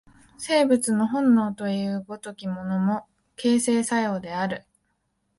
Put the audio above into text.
生物の本能という如きものも、形成作用である。